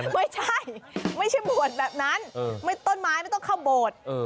ไม่ใช่ไม่ใช่บวชแบบนั้นต้นไม้ไม่ต้องเข้าโบสถ์